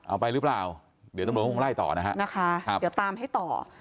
เอาไปหรือเปล่าเดี๋ยวตำรวจคงไล่ต่อนะฮะนะคะครับเดี๋ยวตามให้ต่อ